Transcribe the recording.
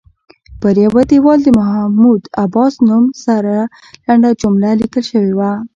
پر یوه دیوال د محمود عباس نوم سره لنډه جمله لیکل شوې وه.